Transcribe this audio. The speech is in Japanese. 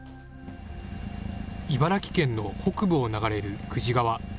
茨城県の北部を流れる久慈川。